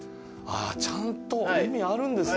ちゃんと意味あるんですね